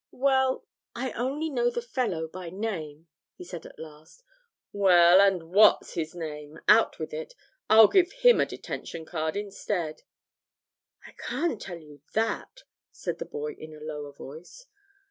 'Well, I only know the fellow by name,' he said at last. 'Well, and what's his name? Out with it; I'll give him a detention card instead.' 'I can't tell you that,' said the boy in a lower voice.